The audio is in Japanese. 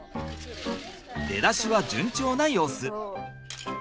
出だしは順調な様子。